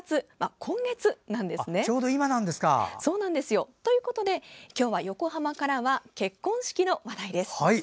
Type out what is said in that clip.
今月なんですね。ということで、今日は横浜からは結婚式の話題です。